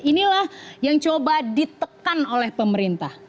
inilah yang coba ditekan oleh pemerintah